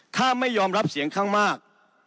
ถ้าไม่ยอมรับเสียงข้างมาก